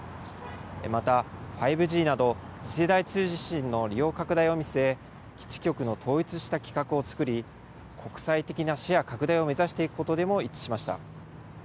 また、５Ｇなど次世代通信の利用拡大を見据え、基地局の統一した規格を作り、国際的なシェア拡大を目指していくことでも一致しました。